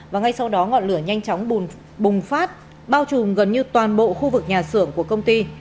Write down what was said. và ngay sau đó ngọn lửa nhanh chóng bùng phát bao trùm gần như toàn bộ khu vực nhà xưởng của công ty